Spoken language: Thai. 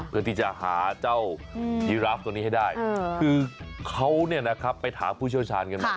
เกิดที่จะหาเจ้ายิราฟตรงนี้ให้ได้คือเขาเนี่ยนะครับไปถามผู้เชี่ยวชาญกันว่า